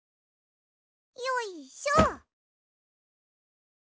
よいしょ！